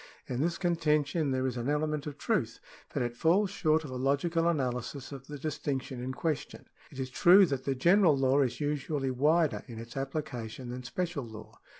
In this contention there is an element of truth, but it falls short of a logical analysis of the distinction in question. It is true that the general law is usually wider in its applica tion than special law.